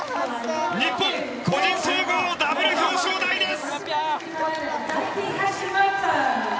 日本個人総合ダブル表彰台です。